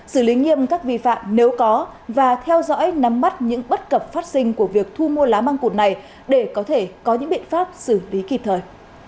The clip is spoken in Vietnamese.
xử lý nghiêm các vi phạm nếu có và theo dõi nắm bắt những bất cập phát sinh của việc thu mua lá măng cụt này để có thể có những biện pháp xử lý kịp thời